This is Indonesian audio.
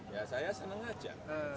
ya saya seneng aja